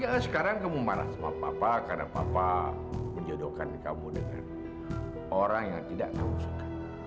ya sekarang kamu marah sama papa karena papa menjodohkan kamu dengan orang yang tidak tahu suka